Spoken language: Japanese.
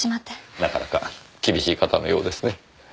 なかなか厳しい方のようですね。